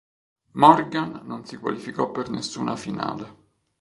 Morgan non si qualificò per nessuna finale.